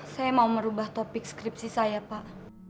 saya mau merubah topik skripsi saya pak